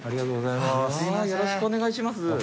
よろしくお願いします。